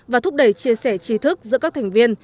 và thúc đẩy chia sẻ trí thức giữa các thành viên